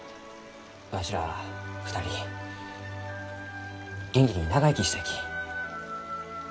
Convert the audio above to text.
わしら２人元気に長生きしたいき。